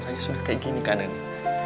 saya sudah kayak gini kan ini